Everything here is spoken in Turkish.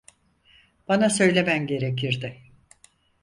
Bana söylemen gerekirdi.